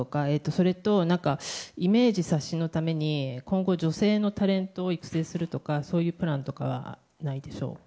それと、イメージ刷新のために今後、女性のタレントを育成するとかそういうプランとかはないでしょうか。